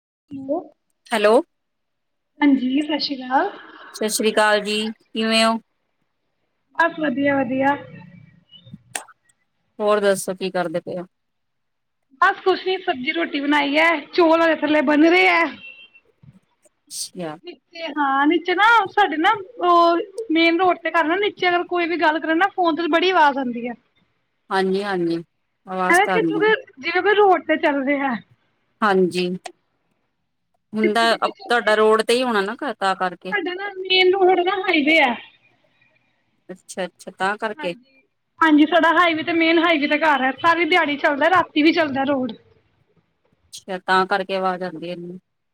[unintelligible] Hello, ਹਾਂਜੀ ਸਤਿ ਸ਼੍ਰੀ ਅਕਾਲ। ਸਤਿ ਸ੍ਰੀ ਅਕਾਲ ਜੀ। ਕਿਵੇਂ ਹੋ? ਬਸ, ਵਧੀਆ, ਵਧੀਆ! ਹੋਰ ਦੱਸੋ, ਕੀ ਕਰਦੇ ਪਏ ਹੋ? ਬਸ ਕੁਛ ਨੀ, ਸਬਜ਼ੀ-ਰੋਟੀ ਬਣਾਈ ਹੈ। ਚੌਲ ਹਜੇ ਥੱਲੇ ਬਣ ਰਹੇ ਹੈ। ਅੱਛਾ ਹਾਂ, ਨੀਚੇ ਨਾ ਸਾਡੇ ਨਾ ਉਹ ਮੇਨ ਰੋਡ ਤੇ ਘਰ ਨਾ ਨੀਚੇ ਅਗਰ ਕੋਈ ਵੀ ਗੱਲ ਕਰਨ ਨਾ ਫੋਨ ਤੇ ਬੜੀ ਆਵਾਜ਼ ਆਉਂਦੀ ਆ। ਹਾਂਜੀ, ਹਾਂਜੀ! ਆਵਾਜ਼ ਹੈਂ ਤਾਂ ਕਿ ਆਉਂਦੀ। ਜਿਵੇਂ ਕੋਈ ਰੋਡ ਤੇ, ਚੱਲਦੇ ਹੈ। ਹਾਂਜੀ। ਹੁੰਦਾ, ਤੁਹਾਡਾ ਰੋਡ ਤੇ ਹੀ ਹੋਣਾ ਨਾ ਘਰ। ਤਾਂ ਕਰਕੇ। ਸਾਡਾ ਨਾ ਮੇਨ ਰੋਡ ਨਾ ਹਾਈਵੇ ਐ। ਅੱਛਾ। ਹਾਂਜੀ, ਹਾਂਜੀ ਸਾਡਾ ਹਾਈਵੇ ਤੇ, ਮੇਨ ਹਾਈਵੇ ਤੇ ਘਰ ਹੈ। ਸਾਰੀ ਦਿਹਾੜੀ ਚ ਚੱਲਦਾ ਰਾਤੀ ਵੀ ਚੱਲਦਾ ਰੋਡ। ਅੱਛਾ, ਤਾਂ ਕਰਕੇ ਅਵਾਜ ਆਂਦੀ ਐ।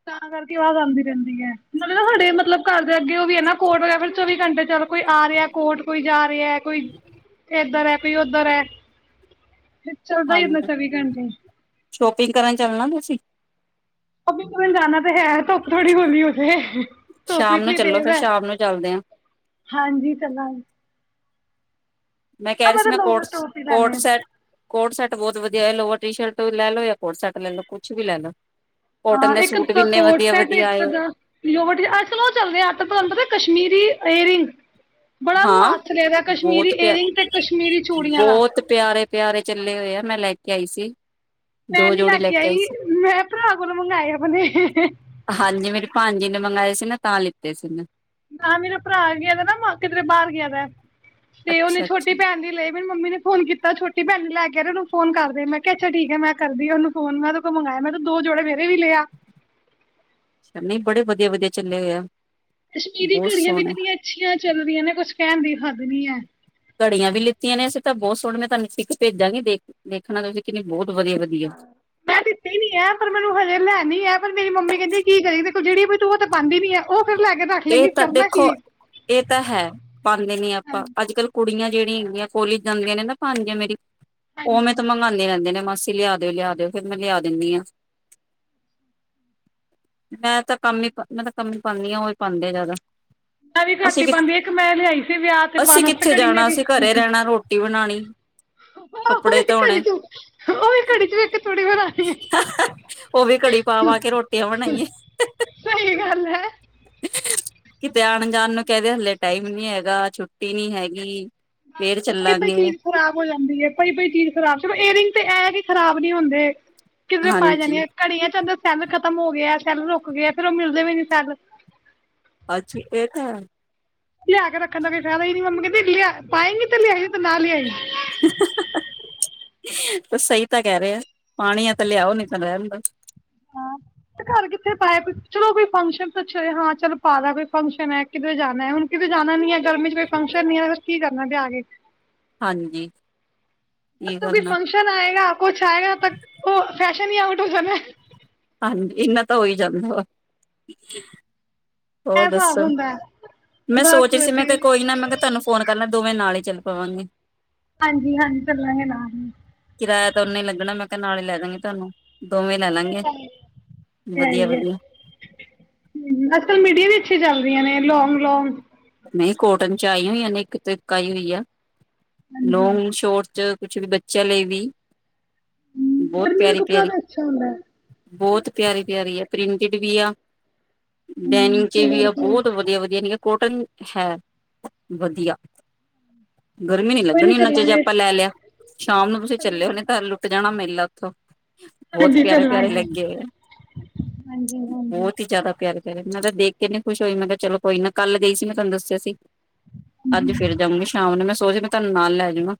ਤਾਂ ਕਰਕੇ ਆਵਾਜ਼ ਆਉਂਦੀ ਰਹਿੰਦੀ ਹੈ, ਨਾਲ਼ੇ ਨਾ ਹਾਡੇ ਮਤਲਬ ਘਰ ਦੇ ਅੱਗੇ ਉਹ ਵੀ ਹੈ, ਨਾ ਕੋਰਟ ਵਗੈਰਾ ਚੋਂ ਵੀ ਘੰਟੇ ਚਲ ਕੋਈ ਆ ਰਿਹਾ ਕੋਰਟ ਕੋਈ ਜਾ ਰਿਹਾ ਕੋਈ ਏਧਰ ਐ, ਕੋਈ ਉਦਰ ਐ। ਚੱਲਦਾ ਈ ਰਹਿੰਦਾ ਹਾਂਜੀ। ਚੌਵੀ ਘੰਟੇ। ਸ਼ੋਪਿੰਗ ਕਰਨ ਚੱਲਣਾ ਤੁਸੀਂ? ਸ਼ੋਪੰਪਿੰਗ ਕਰਨ ਜਾਣਾ ਤਾਂ ਹੈ। ਧੁੱਪ ਥੋੜੀ ਹੋਲੀ ਹੋਜੇ, ਧੁੱਪ ਸ਼ਾਮ ਨੂੰ ਇਤਨੀ ਚੱਲੋ ਤੇਜ਼ ਫਿਰ ਹੈ, ਸ਼ਾਮ ਨੂੰ ਚੱਲਦੇ ਆ, ਹਾਂਜੀ, ਚਲਾ ਮੈਂ ਕਹਿ ਰਹੀ ਸੀ ਮੈਂ ਕੋਟ ਟੋਪ ਈ ਕੋਟ ਲੈਣੇ। ਸੈਟ ਕੋਟ ਸੈਟ ਬਹੁਤ ਵਧੀਆ ਹੈ ਲੋਰ ਟੀ-ਸ਼ਰਟ ਲੈਲੋ ਜਾਂ ਕੋਟ ਸੈੱਟ ਲੈਲੋ। ਹਾਂ, ਇੱਕ ਅਦਾ ਕੋਡ ਸੈੱਟ, ਇੱਕ ਆਏ, ਅਦਾ ਹੋਏ। ਲੋਵਰ ਟੀ-ਸ਼ਰਟ, ਅੱਜ-ਕੱਲ ਓ ਚਲਦੇ ਆ ਤੁਹਾਨੂੰ ਪਤਾ ਕਸ਼ਮੀਰੀ ਏਅਰਿੰਗ। ਬੜਾ ਹਾਂ ਰੁਆਜ ਚਲਿਆ ਦਾ ਕਸ਼ਮੀਰੀ ਬਹੁਤ ਪਿਆ, ਏਅਰਿੰਗ ਤੇ ਕਸ਼ਮੀਰੀ ਚੂੜੀਆਂ ਦਾ। ਬਹੁਤ ਪਿਆਰੇ ਪਿਆਰੇ ਚੱਲੇ ਹੋਏ ਆ ਮੈਂ ਲੈ ਕੇ [unintelligible] ਸੀ। ਮੈਂ ਨੀ ਲੈ ਕੇ ਆਈ, ਮੈਂ ਭਰਾ ਕੋਲੋਂ ਮੰਗਵਾਏ ਆਪਣੇ। ਹਾਂਜੀ ਮੇਰੀ ਭਾਣਜੀ ਨੇ ਮੰਗਵਾਏ ਸੀ ਨਾ, ਤਾਂ ਲਿੱਤੇ ਸੀ। ਨਾ ਮੇਰਾ ਭਰਾ ਗਿਆ ਦਾ ਨਾ, ਮ ਕਿਧਰੇ ਬਾਹਰ ਗਿਆਦਾ। ਤੇ, ਉਹਨੇ ਅੱਛਾ ਅੱਛਾ ਛੋਟੀ ਭੈਣ ਦੀ ਲੲੀ ਤੇ ਫਿਰ ਮੰਮੀ ਨੇ ਹੁਣ ਕੀਤਾ, ਛੋਟੀ ਭੈਣ ਨੂੰ ਲੈ ਕੇ ਓਨੂੰ ਫੋਨ ਕਰ ਦੇ ਮੈਂ ਕਿਹਾ ਅੱਛਾ ਠੀਕ ਆ ਮੈਂ ਕਰਦੀ ਅ ਉਹਨੂੰ ਫੋਨ [unintelligible] ਦੋ ਜੋੜੇ ਮੇਰੇ ਵੀ ਲੈ ਆ। ਨਹੀਂ, ਬੜੇ ਵਧੀਆ-ਵਧੀਆ ਚੱਲੇ ਹੋਏ ਆ। ਕਸ਼ਮੀਰੀ ਬਹੁਤ ਘੜੀਆਂ ਵੀ ਸੋਹਣੇ ਕਿੰਨੀਆਂ ਅੱਛੀਆਂ ਚੱਲਦੀਆਂ ਨੇ, ਕੁੱਝ ਕਹਿਣ ਦੀ ਹਗ ਨੀ ਹੈ। ਘੜੀਆਂ ਵੀ ਲਿੱਤੀਆਂ ਨੇ ਅਸੀਂ ਤਾਂ ਬਹੁਤ ਸੋਹਣ ਮੈਂ ਤੁਹਾਨੂੰ ਪਿੱਕ ਭੇਜਾਂਗੀ ਦੇਖ ਦੇਖਣਾ ਵਧੀਆ ਵਧੀਆ ਮੈਂ ਦਿੱਤੀ ਨੀ ਹੈ ਪਰ ਮੈਨੂੰ ਹਜੇ ਲੈਣੀ ਆ ਪਰ ਮੇਰੀ ਮੰਮੀ ਕਹਿੰਦੇ ਕੀ ਕਰੇ ਗੀ ਤੇਰੇ ਕੋਲ ਜਿਹੜੀ ਉਹ ਤਾਂ ਪਾਉਦੀ ਨੀ ਹੈ ਉਹ ਫਿਰ ਲੈ ਕੇ ਰੱਖ ਇਹ ਲੇਂਗੀ ਤਾਂ ਕਰਨਾ ਦੇਖੋ, ਕੀ ਇਹ ਤਾਂ ਹੈ, ਪਾਉਂਦੇ ਨੇ ਆਪਾਂ ਅੱਜ ਕੱਲ ਕੁੜੀਆਂ ਜਿਹੜੀ ਹੈਗੀਆਂ ਕੋਲਜ ਜਾਂਦੀਆਂ ਨੇ ਨਾ ਭਾਣਜੀਆ ਮੇਰੀ ਉਵੇਂ ਹਾਂਜੀ ਤਾਂ ਮੰਗਵਾਉਂਦੇ ਰਹਿੰਦੇ ਨੇ ਮਾਸੀ ਲਿਆ ਦਿਓ ਲਿਆ ਦਿਓ ਫੇਰ ਮੈਂ ਲਿਆ ਦਿੰਦੀ ਹਾਂ, ਮੈਂ ਤਾਂ ਕੰਮ ਹੀ ਮੈਂ ਤਾਂ ਕੰਮ ਹੀ ਪਾਉਦੀ ਹਾਂ ਉਹ ਪਾਉਂਦੇ ਜ਼ਿਆਦਾ ਮੈਂ ਵੀ ਘੱਟ ਅਸੀਂ ਹੀ ਕਿ ਪਾਉਂਦੀ ਇੱਕ ਮੈਂ ਲਿਆਈ ਸੀ ਵਿਆਹ ਤੇ ਅਸੀਂ ਪਾਣ ਵਾਸਤੇ ਕਿੱਥੇ ਘੜੀ ਜਾਣਾ ਮੇਰੀ, ਅਸੀਂ ਘਰੇ ਰਹਿਣਾ ਰੋਟੀ ਬਣਾਣੀ ਆ ਕੱਪੜੇ ਹੀ ਘੜੀ ਧੋਣੇ ਤੂੰ ਉਹੀ ਘੜੀ ਦੇਖ ਕੇ ਹੈਰਾਨੀ ਹੋਈ, ਉਹ ਵੀ ਘੜੀ ਪਾ ਪਾ ਕੇ ਰੋਟੀਆਂ ਬਣਾਈਏ ਸਹੀ ਗੱਲ ਹੈ। ਕਿਤੇ ਆਉਣ ਜਾਣ ਨੂੰ ਕਹਿੰਦੇ ਹਲੇ ਟਾਈਮ ਨੀ ਹੈਗਾ ਛੁੱਟੀ ਨੀ ਹੈਗੀ, ਫੇਰ ਪਈ ਪਈ ਚੱਲਾਂਗੇ ਚੀਜ਼ ਖ਼ਰਾਬ ਹੋ ਜਾਂਦੀ ਹੈ ਪਈ ਪਈ ਚੀਜ਼ ਖ਼ਰਾਬ ਚੋ ਏਅਰਿੰਗ ਤੇ ਇਹ ਕਿ ਖਰਾਬ ਚੁੱਪ ਨੀ ਹੁੰਦੇ। ਕਿਧਰੇ ਪੈ ਹਾਂਜੀ ਜਾਣੀ ਘੜੀਆਂ ਚੰਦਰ ਸੈੱਲ ਖਤਮ ਹੋ ਗਿਆ ਸੈੱਲ ਰੁਕਗੇ ਫੇਰ ਉਹ ਮਿਲਦੇ ਵੀ ਨੀ ਸੈੱਲ ਅੱਛੀ ਇਹ ਤਾਂ ਲਿਆ ਕੇ ਰੱਖਣ ਦਾ ਕੋਈ ਫਾਇਦਾ ਨੀ ਮੰਮੀ ਕਹਿੰ ਲਿਆ ਪਾਏਂਗੀ ਤੇ ਲਿਆਈ। ਨਈਂ ਤੇ ਨਾ ਲਿਆਈਂ। [unintelligible] ਸਹੀ ਤਾਂ ਕਹਿ ਰੇ ਆ ਪਾਣੀ ਆ ਤਾਂ ਲਿਆਓ, ਨਈਂ ਤਾਂ ਰਹਿੰਦੋ। ਹਾਂ ਘਰ ਕਿੱਥੇ ਪਾਏ ਚਲੋ ਕੋਈ ਫੰਕਸ਼ਨ ਪੀਛੇ ਹਾਂ ਚੱਲ ਪਾਲਾ ਕੋਈ ਫੰਕਸ਼ਨ ਹੈ ਕਿ ਜਾਣਾ ਹੁਣ ਕਿ ਜਾਣਾ ਨੀ ਹੈ ਗਰਮੀ ਚ ਕੋਈ ਫੰਕਸ਼ਨ ਨ ਹੈ ਫਿਰ ਕੀ ਕਰਨਾ ਲਿਆ ਕੇ। ਹਾਂਜੀ। ਕੀ ਕੋਈ ਕਰਨਾ ਫੰਕਸ਼ਨ ਆਏਗਾ ਕੁਛ ਆਏਗਾ ਤ ਓ ਫੈ ਛ ਨੀ ਆਊਟੋ ਹੋ ਜਾਨਾ ਏ। ਹਾਂਜੀ ਇਨਾ ਤਾਂ ਹੋਈ ਜਾਂਦਾ ਵਾ। ਇਹ ਹੋਰ ਹਿਸਾਬ ਦੱਸੋ ਹੁੰਦਾ ਹੈ ਮੈਂ ਸੋਚ ਬਸ ਰਹੀ ਸੀ ਮੈਂ ਵਧੀਆ ਕਿਹਾ ਕੋਈ ਨਾ ਮੈਂ ਕਿਹਾ ਤੁਹਾਨੂੰ ਫੋਨ ਕਰਨਾ ਦੋਵੇਂ ਨਾਲ ਹੀ ਚੱਲ ਪਾਣੀ। ਹਾਂਜੀ ਹਾਂਜੀ ਚੱਲਾਂ ਹੈਰ ਹੀ ਕਿਰਾਇਆ ਤਾਂ ਉਹਨਾਂ ਹੀ ਲੱਗਣਾ ਮੈਂ ਕਿਹਾ ਨਾਲ ਹੀ ਲੈ ਦਾਂਗੀ ਤੁਹਾਨੂੰ ਦੋਵੇਂ ਲੈ ਲਾਂਗੇ ਹੈ ਵਧੀਆ ਹੀ ਹੈ ਵਧੀਆ ਅੱਜ ਕੱਲ ਮੀਡੀਆ ਵਿੱਚ ਪੱਛੇ ਚੱਲਦੀਆਂ ਨੇ ਲੌਂਗ ਲੌਂਗ। ਨਹੀਂ ਕੋਟਨ ਚ ਆਈ ਹੋਈਆਂ ਨੇ ਇੱਕ ਤੋਂ ਇੱਕ ਆਈ ਹੋਈ ਐ। ਹਾਂਜੀ ਲੌਗ ਸੌ਼ਰਟ ਚ ਕੁੱਝ ਵੀ ਬੱਚਿਆਂ ਲਈ ਵੀ ਹਮ, ਬਹੁਤ ਗਰਮੀ ਦਾ ਪਿਆਰੀ ਕੱਪੜਾ ਪਿਆਰੀ ਤਾਂ ਅੱਛਾ ਹੁੰਦਾ ਹੈ ਬਹੁਤ ਪਿਆਰੀ ਪਿਆਰੀ ਹੈ। ਪ੍ਰਿੰਟਡ ਵੀ ਆ ਤੇ ਹਮ, ਡੇਨਿਮ ਚ ਵੀ ਕਲਰ ਆ ਤੇ ਬਹੁਤ ਵਧੀਆ ਵਧੀਆ ਨੇ ਕੋਟਨ ਹੈ, ਵਧੀਆ। ਗਰਮੀ ਨੀ ਕੋਈ ਲੱਗਣੀ ਨਹੀਂ ਉਹਨਾ ਚ ਜੇ ਚੱਲਾਂਗੇ ਆਪਾਂ ਲੈ ਲਿਆ, ਸ਼ਾਮ ਨੂੰ ਤੁਸੀਂ ਚੱਲੇ ਹੁਣੇ ਤਾਂ ਲੁੱਟ ਜਾਣਾ ਮੇ ਲੱੱਖੋ। ਬਹੁਤ ਹਾਂਜੀ ਪਿਆਰੇ-ਪਿਆਰੇ ਚੱਲਾਂਗੇ। ਲਹੰਗੇ ਐ, ਹਾਂਜੀ ਹਾਂਜੀ ਬਹੁਤ ਹੀ ਜਿਆਦਾ ਪਿਆਰੇ ਫਿਰ ਮੈਂ ਤਾਂ ਦੇਖ ਕੇ ਇਨੀ ਖੁਸ਼ ਹੋਈ ਮੈਂ ਕਿਹਾ ਚਲੋ ਕੋਈ ਨਾ ਕੱਲ ਗਈ ਸੀ ਮੈਂ ਤੁਆਨੂੰ ਦੱਸਿਆ ਸੀ। ਅੱਜ ਫਿਰ ਜਾਊਂਂਗੀ ਸ਼ਾਮ ਨੂੰ ਮੈਂ ਸੋਚਦੀ ਆਂ ਮੈਂ ਤੁਹਾਨੂੰ ਨਾਲ ਲੈ ਜਵਾਂ।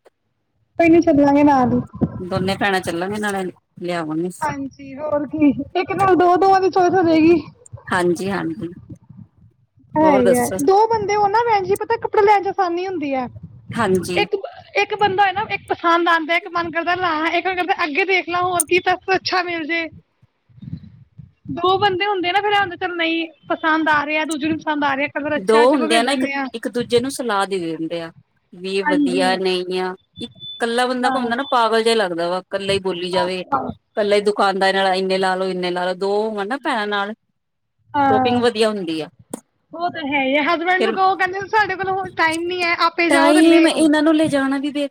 ਕੋਈ ਨੀ ਚੱਲਾਗੇਂ ਨਾਲ ਈ ਦੋਨੇ ਭੈਣਾਂ [unintelligible] [inaudible] ਹਾਂਜੀ, ਹੋਰ ਕੀ ਇੱਕ ਨਾਲ ਦੋ-ਦੋ ਵਾਲੀ ਚੋਇਸ ਹੋਜੇਗੀ। ਹਾਂਜੀ, ਹਾਂਜੀ। ਹੈ ਈ ਐ, ਦੋ ਬੰਦੇ ਉਹ ਨਾ ਭੈਣ ਜੀ ਪਤਾ ਕੱਪੜੇ ਲੈਣ ਚ ਅ ਸਾਨੀ ਹੁੰਦੀ ਐ। ਹਾਂਜੀ। ਇੱਕ ਬੰਦਾ ਹੋਏ ਨਾ ਇੱਕ ਪਸੰਦ ਆਦਾਂ ਏ, ਇੱਕ ਮਨ ਕਰਦਾ ਲਾਂ ਇੱਕ ਮਨ ਕਰਦਾ ਅੱਗੇ ਦੇਖ ਲਾਂ ਹੋਰ ਕੀ ਤੇ ਅੱਛਾ ਮਿਲ ਜੇ, ਦੋ ਬੰਦੇ ਹੁੰਦੇ ਨਾ ਫਿਰ ਹੁੰਦਾ ਏ ਚੱਲ ਨਹੀਂ ਪਸੰਦ ਆ ਰਿਹਾ ਦੂਜੇ ਨੂੰ ਪਸੰਦ ਆ ਰਿਹਾ ਕਲਰ ਦੋ ਅੱਛਾ ਚਲੋ ਹੁੰਦੇ ਲੈ ਆ ਨਾ ਲੈਂਦੇ ਇੱਕ-ਇੱਕ ਦੂਜੇ ਨੂੰ ਸਲਾਹ ਦੇ ਦੇਣ ਦੇਂ ਆ। ਵੀ ਹਾਂਜੀ ਵਧੀਆ ਨਹੀਂ ਆ, ਇੱਕ ਕੱਲਾ ਬੰਦਾ ਹਾਂ ਘੁੰਮਦਾ ਨਾ ਪਾਗਲ ਜਿਹਾ ਲੱਗਦਾ ਦਾ ਵਾ। ਇਕੱਲਾ ਹੀ ਬੋਲੀ ਜਾਵੇ, ਬਸ ਇਕੱਲਾ ਹੀ ਦੁੱਖ ਦੁਕਾਨਦਾਰ ਨਾਲ ਇੰਨੇ ਲਾ ਲੋ, ਇਨੇ ਲਾ ਲੋ। ਦੋ ਹੋਣ ਨਾ ਭੈਣਾਂ ਨਾਲ ਸ਼ੋਪਿੰਗ ਹਾਂ। ਵਧੀਆ ਹੁੰਦੀ ਆ। ਉਹ ਤਾਂ ਹੈ ਹਸਬੈਂਡ ਨੂੰ ਫਿਰ ਕਹੋ, ਕਹਿੰਦੇ ਸਾਡੇ ਕੋਲੋਂ ਹੁਣ ਟਾਈਮ ਨੀ ਹੈ ਆਪੇ ਜਾਉ ਤੇ ਲੇ ਆਉ।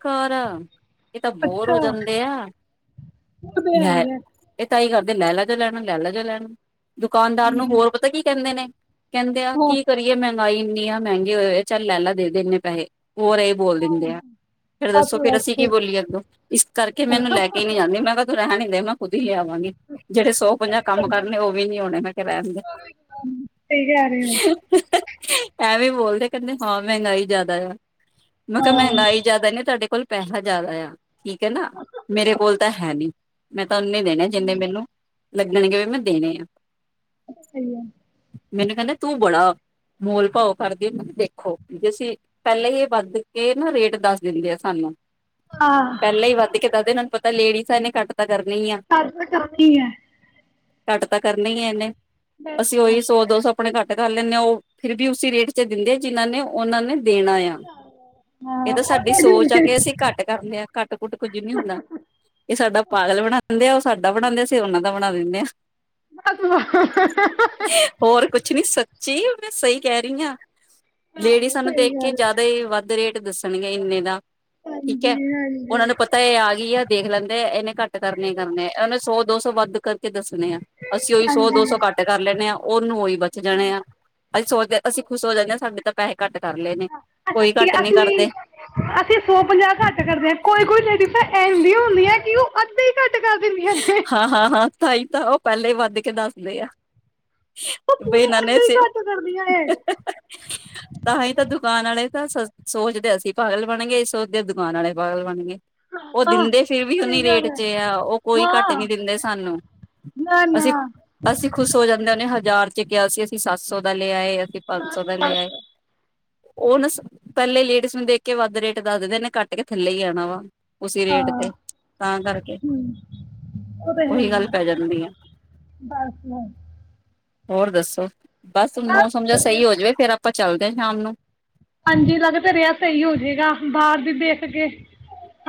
ਘਰ ਇਹ ਤਾਂ ਬੋਰ ਹੋ ਜਾਂਦੇ ਆ। ਉਹ ਤੇ ਹੈ ਹੀ [unintelligible] ਹੈ ਤਾ ਹੀ ਕਰਦੇ ਲੈ ਲਾ ਜੋ ਲੈਣਾ, ਲੈ ਲਾ ਜੋ ਲੈਣਾ ਈ। ਦੁਕਾਨਦਾਰ ਨੂੰ ਹਾਂਜੀ ਹੋਰ ਪਤਾ ਕੀ ਕਹਿੰਦੇ ਨੇ ਹਾਂ ਕੀ ਕਰੀਏ ਮੈਂ ਮਹਿੰਗਾਈ ਇੰਨੀ ਆ, ਮਹਿੰਗੀ ਹੋਏ-ਹੋਏ ਆ, ਚੱਲ ਲੈ ਲਾ ਦੇ-ਦੇ ਇੰਨੇ ਪੈਸੇ। ਹੋਰ ਏ ਬੋਲ ਦਿੰਦੇ ਆ ਫੇਰ ਬਸ ਦੱਸੋ ਫਿਰ ਅਸੀਂ ਕੀ ਬਸ ਬੋਲੀਏ ਅੱਗੋਂ, ਇਸ ਕਰਕੇ ਮੈ ਇਨੂੰ ਲੈ ਕੇ ਨਹੀਂ ਜਾਂਦੀ ਮੈਂ ਕਿਹਾ ਤੂੰ ਰਹਿਣ ਮੈਂ ਖੁੱਦ ਹੀ ਲੈ ਆਂਵਾ ਆਵਾਗੀ ਜਿਹੜੇ ਸੌ-ਪੰਜਾਹ ਕੰਮ ਕਰਨੇ ਉਹ ਵੀ ਨੀ ਹੋਣੇ ਮੈਂ ਕਿਹਾ ਰਹਿਣ ਦੇ। ਸਹੀ ਕਹਿ ਰਹੇ ਹੋ। ਐਵੇ ਬੋਲਦੇ ਕਹਿੰਦੇ ਹਾਂ, ਮਹਿੰਗਾਈ ਜ਼ਿਆਦਾ ਆ। ਮੈਂ ਕਿਹਾ ਹਾਂ ਮਹਿੰਗਾਈ ਜ਼ਿਆਦਾ ਨੀ ਤੁਹਾਡੇ ਕੋਲ ਪੈਸਾ ਜ਼ਿਆਦਾ ਆ ਠੀਕ ਹੈ ਨਾ, ਮੇਰੇ ਕੋਲ ਤਾਂ ਹੈ ਨੀ ਮੈਂ ਉਨੇ ਦੇਣੇ ਜਿੰਨੇ ਮੈਨੂੰ ਲੱਗਣਗੇ ਮੈਂ ਦੇਣੇ ਆ ਸਹੀ ਹੈ। ਮੈਨੂੰ ਕਹਿੰਦਾ ਤੂੰ ਬੜਾ ਮੋਲ ਭਾਓ ਕਰਦੇ ਦੇਖੋ, ਜੇ ਅਸੀਂ ਪਹਿਲੇ ਹੀ ਵੱਧ ਕੇ ਨਾ ਰੇਟ ਦੱਸ ਦਿੰਦੇ ਆ ਸਾਨੂੰ। ਹਾਂ ਪਹਿਲਾਂ ਹੀ ਵੱਧ ਕੇ ਦੱਸਦੇ ਇਹਨਾਂ ਨੂੰ ਪਤਾ ਤਾਂ ਲੇਡੀਜ਼ਾਂ ਐਨੇ ਘੱਟ ਤਾਂ ਕਰਨੀ ਹੀ ਆ ਕਰ ਤੇ ਕਰਣੀ ਐ। ਘੱਟ ਤਾਂ ਕਰਨੇ ਹੀ ਹੈ ਇਹਨੇ। ਅਸੀਂ ਉਹੀ ਸੌ ਦੋ ਸੌ ਆਪਣੇ ਘੱਟ ਕਰ ਲੈਣੇ ਆ ਉਹ ਫਿਰ ਵੀ ਉਸੀ ਰੇਟ ਚ ਦਿੰਦੇ ਆ, ਜਿਹਨਾਂ ਨੇ ਉਹਨਾਂ ਨੇ ਦੇਣਾ ਆ, ਇਹ ਹਾਂ ਤਾਂ ਉਹ ਸਾਡੀ ਸੋਚ ਆ ਤੁਹਾਡੀ ਕਿ ਅਸੀਂ ਘੱਟ ਕਰ ਲਿਆ। ਘੱਟ ਘੁਟ ਕੁੱਝ ਨੀ ਹੁੰਦਾ, ਇਹ ਸਾਡਾ ਪਾਗਲ ਬਣਾਉਂਦੇ ਆ, ਉਹ ਸਾਡਾ ਬਣਾਉਂਦੇ ਅਸੀ ਉਹਨਾਂ ਦਾ। ਬਣਾ ਦਿੰਦੇ ਆ। ਬਸ ਕੀ ਸੱਚੀ ਮੈਂ ਸਹੀ ਕਹਿ ਰਹੀ ਹਾਂ। ਲੇਡੀਜ਼ ਆਹੋ ਸਾਨੂੰ ਸਹੀ ਦੇਖ ਕੇ ਗੱਲ ਜਿਆਦਾ ਹੀ ਵੱਧ ਰੇਟ ਦੱਸ ਮੈ ਕਿਹਾ ਇੰਨੇ ਦਾ ਠੀਕ ਹੈ, ਹਾਂਜੀ ਹਾਂਜੀ। ਉਹਨਾਂ ਨੂੰ ਪਤਾ ਇਹ ਆ ਗਈ ਆ। ਦੇਖ ਲੈਂਦੇ ਆ ਇਹਨੇ ਘੱਟ ਕਰਨੇ ਹੀ ਕਰਨੇ ਆ, ਉਹਨੇ ਸੌ ਦੋ ਸੌ ਵੱਧ ਕਰਕੇ ਦੱਸ ਕਰਨੇ ਆ, ਅਸੀਂ ਉਹੀ ਸੌ ਦੋ ਸੌ ਹਾਂਜੀ। ਘੱਟ ਕਰ ਲੈਦੇ ਹਾਂ, ਉਹਨੂੰ ਉਹੀ ਬਚ ਜਾਣੇ ਆ। ਅਸੀਂ ਸੋਚਦੇ ਅਸੀਂ ਖੁਸ਼ ਹੋ ਜਾਂਦੇ ਹਾਂ ਸਾਡੇ ਤਾਂ ਪੈਸੇ ਘੱਟ ਕਰ ਲਏ ਨੇ ਅੱਛਾ, ਕੋਈ ਅਸੀਂ ਘੱਟ ਨੀ ਕਰਦੇ ਅਸੀਂ ਸੌ ਪੰਜਾਹ ਘੱਟ ਕਰਦੇ ਹਾਂ, ਕੋਈ ਕੋਈ ਲੇਡੀਜ਼ ਇਦਾਂ ਦੀਆਂ ਹੁੰਦੀਆਂ [unintelligible] ਹਾਂ, ਹਾਂ, ਹਾਂ, ਤਾਂਈ ਤਾਂ ਉਹ ਪਹਿਲੇ ਵੱਧ ਕੇ ਦੱਸਦੇ ਆ। ਉਹ ਬਈ ਪੂਰੇ ਨਾਨੇ ਅੱਧੇ ਹੀ ਚ ਘੱਟ ਕਰਦੀਆਂ ਨੇ ਤਾਂ ਹੀ ਤਾਂ ਦੁੱਖ ਦੁਕਾਨ ਵਾਲੇ ਤਾਂ ਸੋਚਦੇ ਅਸੀਂ ਪਾਗਲ ਬਣ ਗਏ, ਅਸੀ ਸੋਚਦੇ ਦੁਕਾਨ ਵਾਲੇ ਪਾਗਲ ਬਣ ਗਏ। ਉਹ ਹਾਂ ਦਿੰਦੇ ਫਿਰ ਵੀ ਸਹੀ ਉਹਨੀ ਰੇਟ ਗੱਲ ਹੈ ਚ ਆ ਉਹ ਕੋਈ ਘੱਟ ਨੀ ਹਾਂ ਦਿੰਦੇ ਸਾਨੂੰ, ਨਾ ਅਸੀਂ ਨਾ ਅਸੀਂ ਖੁਸ ਹੋ ਜਾਂਦੇਣ। ਨੇ ਹਜ਼ਾਰ ਚ ਕਿਹਾ ਸੀ ਅਸੀਂ ਸੱਤ ਸੌ ਦਾ ਲਿਤਾ ਐ ਲਿਆ ਏ ਅਸੀਂ ਪੰਜ ਸੌ ਬਸ ਦਾ ਲਿਆ ਬਸ ਆਏ, ਔ ਨਾ ਪੈਲੇ ਲੇਡੀਸ ਨੂੰ ਦੇਖ ਕੇ ਵੱਧ ਰੇਟ ਦੱਸ ਦਿੰਦੇ ਐਨੇ ਘੱਟ ਕੇ ਥੱਲੇ ਹੀ ਆਣਾ ਵਾ। ਉਸੀ ਰੇਟ ਹਾਂ ਤੇ ਤਾਂ ਕਰਕੇ ਔ ਤੇ ਹੈ ਉਹੀ ਈ ਗੱਲ ਐ, ਪੈ ਜਾਂਦੀ ਆ ਬਾਸ। ਹੋਰ ਦੱਸੋ? ਬਸ ਹੁਣ ਮੌਸਮ ਜਾ ਬਸ ਸਹੀ ਹੋ ਜਵੇ ਫੇਰ ਅਪ ਆਪਾਂ ਚੱਲਦੇ ਆ ਸ਼ਾਮ ਨੂੰ। ਹਾਂਜੀ ਲਗ ਤੇ ਰਿਐ ਸਹੀ ਹੋਜੇਗਾ ਬਾਰ ਵੀ ਦੇਖ ਕੇ।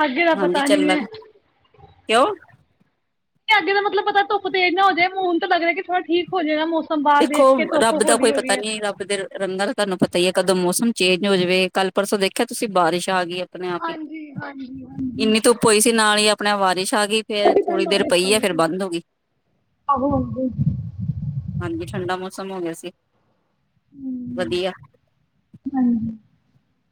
ਅੱਗੇ ਦਾ ਹਾਂਜੀ ਪਤਾ ਨੀ ਚੱਲਣਾ ਹੈ, ਕਿਓਂ? ਐ ਅੱਗੇੇ ਦਾ ਮਤਲਬ ਪਤੈ ਧੁੱਪ ਤੇਜ਼ ਨਾ ਹੋਜੇ, ਮੂੰਨ ਤੋ ਲੱਗ ਰੈ ਕਿ ਥੋੜਾ ਠੀਕ ਹੋ ਜੇਗਾ ਮੌਸਮ। ਬਾਹਰ ਦੇਖੋ ਦੇਖ ਕੇ ਧੁੱਪ ਰੱਬ ਦਾ ਹੌਲੀ ਕੋਈ ਹੋ ਪਤਾ ਗਈ ਹੈ ਨੀ ਰੱਬ ਦੇ ਰੰਗਾਂ ਦਾ ਤਾਨੂੰ ਪਤਾ ਈ ਐ ਕਦੋਂ ਮੌਸਮ ਚੇਂਜ ਹੋ ਜਵੇ ਕੱਲ ਪਰਸੋਂ ਦੇਖਿਆ ਤੁਸੀਂ, ਬਾਰਿਸ਼ ਆਗੀ ਐ। ਅਪਣੇ ਆਪ ਈ, ਹਾਂਜੀ ਹਾਂਜੀ ਹਾਂਜੀ ਇੰਨੀ ਧੁੱਪ ਹੋਈ ਸੀ ਨਾਲ ਈ ਅਪ ਅਪਣਾ ਵਾਰਿਸ਼ ਆ ਗਈ ਫੇਰ ਕਦੀ ਕੰਮ ਥੋੜ੍ਹੀ ਦੇਰ ਬਾਰਿਸ਼ ਹੋ ਪਈ ਐ ਗਈ ਫੇਰ ਸੀ। ਬੰਦ ਹੋਗੀ। ਆਹੋ ਆਹੋ। ਵੀ ਠੰਡਾ ਮੌਸਮ ਹੋ ਗਿਆ ਸੀ। ਹੂੰ ਵਧੀਆ।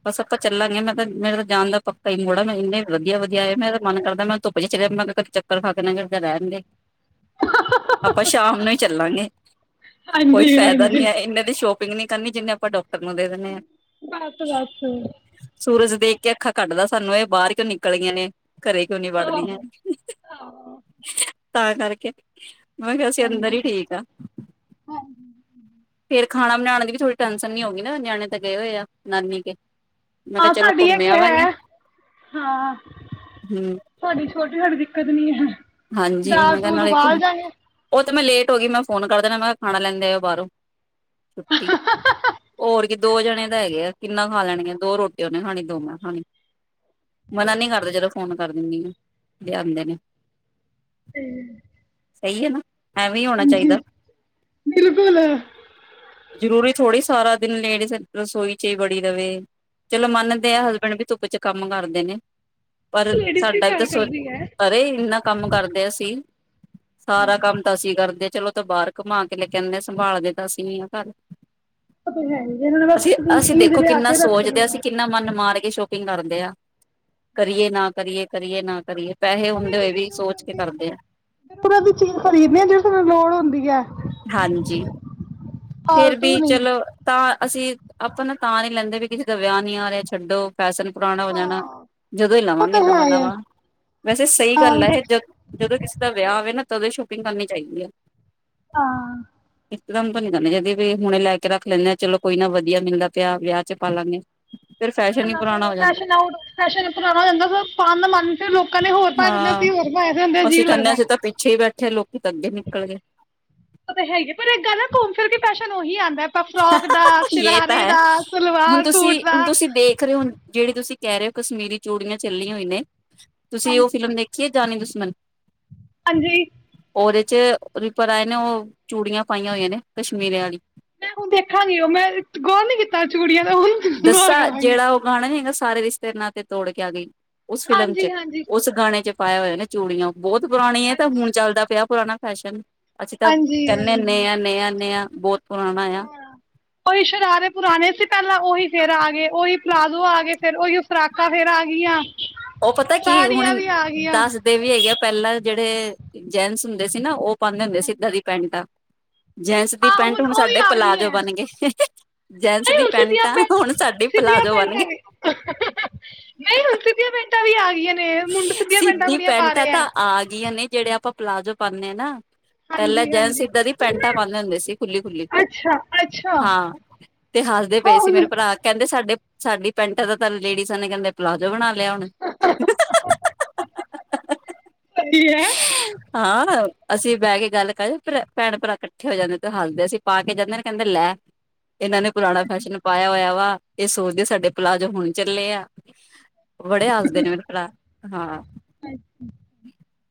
ਬਸ, ਅਪਾਂ ਚੱਲਾਂਗੇ ਮੈਂ ਕਿਆ ਮੇਰੇ ਤਾਂ ਜਾਣ ਦਾ ਪੱਕਾ ਹੀ, ਮੋੜਾ ਮੈਂ ਇਨੇ ਵਧੀਆ-ਵਧੀਆ ਆਏ ਮੇਰਾ ਮਨ ਕਰਦੈ ਮੈਂ ਧੁੱਪ ਚ ਮੈਂ ਚੱਕਰ ਖਾ ਕੇ ਨਾ ਗਿਰਕੇ ਮੈ ਕਿਹਾ ਰੈਣਦੇ। ਆਪਾਂ ਸ਼ਾਮ ਨੂੰ ਈ ਚੱਲਾਂਗੇ, ਕੋਈ ਹਾਂਜੀ ਫੈਦਾ ਹਾਂਜੀ ਨੀ ਹਾਂਜੀ ਐ ਏਨੇ ਦੀ ਸ਼ੋਪ ਪਿੰਗੀ ਨੀ ਕਰਨੀ ਜਿੰਨੇ ਅਪਾਂ ਡਾਕਟਰ ਨੂੰ ਦੇ ਦਿੰਣੇ ਐ। ਬਸ- ਬਸ। ਦੇਖ ਕੇ ਅੱਖਾ ਕੱਢਦੈ ਸਾਨੂੰ, ਏ ਬਾਰ ਕਿਓ ਨਿਕਲ ਗਈਆਂ ਨੇ। ਘਰੇ ਕਿਓ ਨੀ ਆਹੋ ਵੜਦੀਐ। ਆਹੋ ਤਾਂ ਕਰਕੇ ਮੈਂ ਕਿਆ, ਅਸੀਂ ਅੰਦਰ ਹਾਂਜੀ ਈ ਠੀਕ ਆ, ਹਾਂਜੀ ਫੇਰ ਖਾਣਾ ਬਣਾਣ ਦੀ ਵੀ ਥੋੜੀ ਟੈਸ਼ਨ ਨੀ ਹੋਗੀ ਨਾ ਨਿਆਣੇ ਤਾਂ ਗਏ ਹੋਏ ਆ। ਨਾਨੀ ਕੇ ਮੈਂ ਕਿਹਾ ਹਾਂ, ਚਲੋ ਸਾਡੀ ਏਕ ਘੁੰਮੇ ਆਵਾਂਗੇ ਹੈ, ਹਾਂ ਹਮ ਸਾਡੀ ਛੋਟੀ-ਛੋਟੀ ਦਿੱਕਤ ਨੀ ਹੈ। ਦਾਲ- ਦੂਲ ਉਬਾਲ ਜਾਗੇਂ। ਔ ਤੇ ਮੈਂ ਲੇਟ ਹੋਗੀ ਮੈਂ ਫੋਨ ਕਰ ਦੇਣਾ ਮੈਂ ਕੈ ਖਾਣਾ ਲੈਂਦੇ ਆਯੋ ਬਾਰੋਂ। ਛੁੱਟੀ, ਹੋਰ ਕੀ ਦੋ ਜਣੇ ਤਾਂ ਹੈਗੇ ਐ। ਕਿੰਨਾ ਖਾ ਲੈਣਗੇ, ਦੋ ਰੋਟੀਆਂ ਉਹਨੇ ਖਾਣੀ, ਦੋ ਮੈਂ ਖਾਣੀ। ਮਨਾ ਨੀ ਕਰਦੇ ਜਦੋਂ ਫੋਨ ਕਰ ਦਿੰਦੀ ਆ ਲਿਆ ਦੇ ਨੇ। ਹੂੰ। ਸਹੀ ਐਨਾ। ਐਵੇਂ ਈ ਹੋਣਾ ਚਾਹੀਦਾ, ਬਿਲਕੁਲ ਜਰੂਰੀ ਥੋੜ੍ਹੀ ਸਾਰਾ ਦਿਨ ਲੇਡੀਸ ਰਸੋਈ ਚ ਈ ਬੜੀ ਰਵੇ ਚਲੋ ਮੰਨਦੇ ਆ ਹਸਬੈਂਡ ਵੀ ਧੁੱਪ ਚ ਕੰਮ ਕਰਦੇ ਨੇ। ਪਰ ਲੇਡੀਜ਼ ਹੀ ਸਾਡਾ ਤਾਂ ਵੀ ਘਰ ਸੋਚ ਕਰਦੀ ਹੈ ਅਰੇ ਇਨਾ ਕੰਮ ਕਰਦੇ ਅਸੀ, ਸਾਰਾ ਕੰਮ ਤਾਂ ਅਸੀਂ ਕਰ ਜੇ ਚਲੋ, ਤਾਂ ਬਾਹਰ ਕਮਾ ਕੇ ਲੈ ਆਨੇ ਆ ਸੰਭਾਲਦੇ ਤਾਂ ਅਸੀਂ ਹੀ ਆ ਘਰ। ਓਤਾਂ ਹੈ ਹੀ ਇਹਨਾਂ ਨੇ ਅਸੀਂ ਬਸ ਅਸੀਂ ਚੀਜ਼ ਦੇਖੋ ਲਿਆ ਕੇ ਰੱਖਣੀ ਐ। ਟਿੰਗ ਕਰਦੇ ਆ, ਕਰੀਏ ਨਾ ਕਰੀਏ, ਕਰੀਏ ਨਾ ਕਰੀਏ। ਪੈਸੇ ਉਹ ਹੁੰਦੇ ਹੋਏ ਵੀ ਸੋਚ ਕੇ ਕਰਦੇ ਆ [unintelligible] ਚੀਜ਼ ਖਰੀਦਨੀ ਆ ਜਿਹੜੀ ਸਾਨੂੰ ਲੋੜ ਹੁੰਦੀ ਐ ਹਾਂਜੀ ਫਿਰ ਵੀ ਨਹੀਂ ਚਲੋ ਤਾਂ ਅਸੀਂ ਆਪਾਂ ਨ ਤਾਂ ਨੀ ਲੈਂਦੇ ਵੀ ਕਿਸੇ ਦਾ ਵਿਆਹ ਨੀ ਆ ਰਿਹਾ ਛੱਡੋ। ਫੈਸ਼ਨ ਪੁਰਾਣਾ ਹੋ ਜਾਣਾ ਜਦੋਂ ਹੀ ਲਵਾਂਗੇ ਨਵਾਂ ਨਵਾਂ ਵੈਸੇ ਸਹੀ ਗੱਲ ਐ ਇਹ ਜਦ ਜਦੋਂ ਕਿਸੇ ਦਾ ਵਿਆਹ ਹੋਵੇ ਨਾ ਤਦੋਂ ਸ਼ੋਪਿੰਗ ਕਰਨੀ ਚਾਹੀਦੀ ਆ ਹਾਂ। ਇਕਦਮ ਤਾਂ ਨੀ ਕਰਨੀ ਚਾਹੀਦੀ ਜਦੀ ਵੀ ਹੁਣੇ ਲੈ ਕੇ ਰੱਖ ਲੈਂਦੇ ਆਾਂ ਚਲੋ ਕੋਈ ਨਾ ਵਧੀਆ ਮਿਲਦਾ ਪਿਆ ਵਿਆਹ ਚ ਪਾਾਲਾਂਗੇ [unintelligible] ਫੈਸ਼ਨ ਹੀ ਪੁਰਾਣਾ ਜਾਂਦਾ ਪਾਂਣ ਦਾ ਮਨ ਫਿਰ ਲੋਕਾਂ ਨੇ ਹੋਰ ਪਾ ਦਿੰਦੇ ਹਾਂ ਅਸੀਂ ਹੋਰ ਪਾਏ ਦੇ ਹੁੰਦੇ ਅਜੀਬ ਲੱਗਦਾ ਚਲੋ ਓ ਤੇ ਹੈਗੀ ਪਰ ਇੱਕ ਗੱਲ ਐ ਘੁੰਮ ਫਿਰ ਕੇ ਫੈਸ਼ਨ ਓਹੀ ਆਂਦਾ ਫਰੋਕ ਦਾ, ਯੇ ਤਾਂ ਸ਼ਰਾਰੇ ਹੈ। ਦਾ, ਹੁਣ ਸਲਵਾਰ ਤੁਸੀਂ ਸੂਟ ਦਾ ਹੁਣ ਤੁਸੀਂ ਦੇਖ ਰਹੇ ਹੋ ਜਿਹੜੀ ਤੁਸੀਂ ਕਹਿ ਰਹੇ ਹੋ ਕਸ਼ਮੀਰੀ ਚੂੜੀਆਂ ਚੱਲੀਆਂ ਹੋਈ ਨੇ ਤੁਸੀਂ ਉਹ ਹਾਂਜੀ ਫਿਲਮ ਦੇਖੀਏ ਜਾਨੀ ਦੁਸ਼ਮਣ ਹਾਂਜੀ। ਉਹਦੇ ਚ [unintelligible] ਨੇ ਓ ਚੂੜੀਆਂ ਪਾਈਆਂ ਹੋਈਆਂ ਨੇ ਕਸ਼ਮੀਰੇ ਆਲੀ ਤਾਂ ਦੇਖਾਂਗੀ ਉਹ ਮੈਂ ਗੋਲ ਨੀ ਕੀਤਾ ਚੂੜੀਆਂ ਦਾ ਹੁਣ ਗੌਰ ਦੱਸਾ ਕਰਾਂਗੀ। ਜਿਹੜਾ ਉਹ ਗਾਣਾ ਨੀ ਹੈਗਾ ਸਾਰੇ ਰਿਸ਼ਤੇ ਨਾਂਤੇ ਤੋੜ ਕੇ ਆ ਗਈ ਉਸ ਫਿਲਮ ਚ ਹਾਂਜੀ ਹਾਂਜੀ ਉਸ ਗਾਣੇ ਚ ਪਾਇਆ ਹੋਇਆ ਨਾ ਚੂੜੀਆਂ ਬਹੁਤ ਪੁਰਾਣੀ ਹੈ ਤਾਂ ਹਾਂਜੀ ਹੁਣ ਚਾੱਲਦਾ ਪਿਆ ਪੁਰਾਣਾ ਫੈਸ਼ਨ ਅੱਛਾ ਤਾਂ ਕਹਿੰਦੇ ਨੇ ਆ ਨਿਆ-ਨਿਆ-ਨਿਆ ਬੋਹਤ ਹੂੰ ਹੂੰ, ਕੋਈ ਸ਼ਰਾਰੇ ਪੁਰਾਣੇ ਸੀ ਪਹਿਲ ਲਾ ਉਹੀ ਫਿਰ ਆ ਗਏ, ਉਹੀ ਪਲਾਜ਼ੋ ਆ ਗਏ ਫਿਰ, ਉਹੀ ਫਰਾਕਾਂ ਫਿਰ ਆ ਗਿਆ। ਉਹ ਪਤਾ ਕੀ ਹੁਣ, ਦਾੱਸ ਦੇ ਵੀ ਹੈਗੇ ਆ ਪਹਿਲਾਂ ਜਿਹੜੇ ਜੈਨਟਸ ਹੁੰਦੇ ਸੀ ਨਾ, ਉਹ ਪਾਉਂਦੇ ਹੁੰਦੇ ਸੀ ਇਦਾਂ ਦੀਆ ਪੈਂਟਾਂ। ਜੈਂਟਸ ਦੀ ਹਾਂ ਪੈਂਟ ਹੁਣ ਉਹ ਵੀ ਸਾਡੇ ਆ ਗਈ ਪਲਾਜ਼ੋ ਹੈ ਬਣ ਗਏ, ਜੈਂਟ ਸ ਨਹੀਂ ਦੀ ਹੁਣ ਸਿੱਧੀਆਂ ਪੈਂਟਾਂ ਪੈਂ ਹੁਣ ਸਾਡੀ ਸਿੱਧੀਆਂ ਪਲਾਜ਼ੋ ਬਣ ਗਏ। ਪੈਂਟਾਂ ਵੀ ਨਹੀਂ ਹੁਣ ਸਿੱਧੀਆਂ ਪੈਂਟਾਂ ਵੀ ਆ ਗਈਆਂ ਨੇ ਮੁੰਡੇ ਸਿੱਧੀਆਂ ਸਿੱਧੀ ਬੜੀਆਂ ਪਾ ਪੈਂਟਾਂ ਰਹੇ ਹੈ ਤਾਂ ਆ ਗਈਆਂ ਨੇ ਜਿਹੜੇ ਆਪਾਂ ਪਲਾਜ਼ੋ ਪਾਣੇ ਆ ਨਾ ਪਹਿਲਾਂ ਹਾਂਜੀ ਜੈਂਨਸ ਹਾਂਜੀ ਇਧਾਂ ਦੀ ਪੈਂਟਾਂ ਪਾਉਂਦੇ ਹੁੰਦੇ ਸੀ ਖੁੱਲੀ-ਖੁੱਲੀ, ਅੱਛਾ ਅੱਛਾ ਹਾਂ ਤੇ ਹੱਸਦੇ ਪਏ ਉਹ ਸੀ ਹੁਣ ਮੇਰੇ ਭਰਾ ਕਹਿੰਦੇ ਸਾਡੇ ਸਾਡੀ ਪੈਂਟਾਂ ਦਾ ਤਾਂ ਲੇਡੀਜ਼ਾਂ ਨੇ ਕਹਿੰਦੇ ਪਲਾ ਜੋ ਬਣਾ ਲਿਆ ਹੁਣ। ਸਹੀ ਹੈਂ। ਹਾਂਰ ਅਸੀਂ ਬਹਿ ਕੇ ਗੱਲ ਕਰ ਭੈਣ-ਭਰਾ ਇਕੱਠੇ ਹੋ ਜਾਂਦੇ ਤੇ ਹੱਸਦੇ ਸੀ ਅਸੀਂ ਪਾ ਕੇ ਜਾਂਦੇ ਨੇ ਕਹਿੰਦੇ ਲੈ ਇਨਾਂ ਨੇ ਪੁਰਾਣਾ ਫੈਸ਼ਨ ਪਾਇਆ ਹੋਇਆ ਵਾ। ਇਹ ਸੋਚਦੇ ਸਾਡੇ ਪਲਾਜ਼ੋ ਹੁਣ ਚੱਲੇ ਆ ਬੜੇ ਹਾਸਦੇ ਨੇ ਮੈਨੂੰ ਹਾਂ।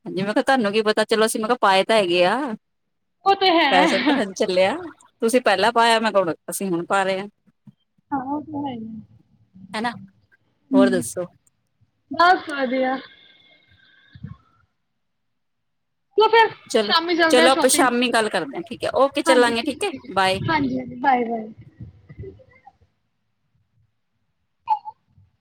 ਹਾਂਜੀ ਮੈਂ ਕਿਹਾ ਤੁਹਾਨੂੰ ਕੀ ਪਤਾ, ਚਲੋ ਅਸੀਂ ਮੈਂ ਕਿਹਾ ਪਾਏ ਤਾਂ ਹੈਗੇ ਆ। ਉਹ ਤੇ ਹੈ ਫੈਸਨ ਤਾਂ ਹਾਂ ਹੁਣ ਚੱਲਿਆ। ਤੁਸੀਂ ਪਹਿਲਾਂ ਪਾਇਆ ਮੈਂ ਕਿਆ ਹੂਣ ਅਸੀਂ ਹੁਣ ਪਾ ਰਹੇ ਹਾਂ। ਹਾਂ ਔ ਤੇ ਹੈ ਈ, ਹਨਾ ਹੋਰ ਹੰਮ, ਦੱਸੋ ਬੱਸ ਵਧੀਆ। ਚਲੋ ਫਿਰ ਚਲੋ ਸ਼ਾਮੀ ਚਲਦੇ ਆ ਚਲੋ ਆਪਾਂ ਸ਼ੋਪਿੰਗ, ਸ਼ਾਮੀ ਗੱਲ ਕਰਦੇ ਹਾਂ ਠੀਕ ਹੈ ਓਕੇ ਹਾਂਜੀ ਚੱਲਾਂਗੇ ਠੀਕ ਹੈ-ਠੀਕ ਹੈ ਬਾਏ ਹਾਂਜੀ ਹਾਂ ਬਾਏ-ਬਾਏ।